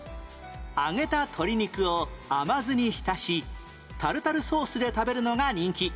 揚げた鶏肉を甘酢に浸しタルタルソースで食べるのが人気